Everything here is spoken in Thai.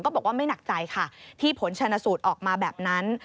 บอกว่าไม่หนักใจค่ะที่ผลชนสูตรออกมาแบบนั้น